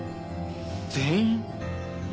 全員！？